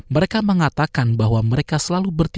mereka mengatakan bahwa mereka selalu bertindak